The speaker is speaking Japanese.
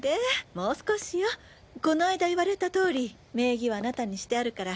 もう少しよこの間言われた通り名義はあなたにしてあるから。